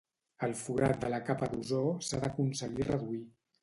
El forat de la capa d'ozó s'ha aconseguir reduir.